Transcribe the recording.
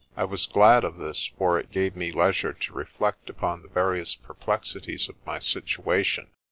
I was glad of this, for it gave me leisure to reflect upon the various perplexities of my situation.